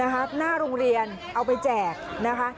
หน้าโรงเรียนเอาไปแจกนะคะ